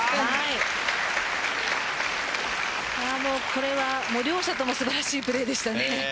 これは両者とも素晴らしいプレーでした。